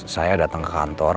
saya datang ke kantor